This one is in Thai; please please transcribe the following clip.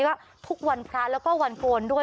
ก็ทุกวันพระแล้วก็วันโกนด้วย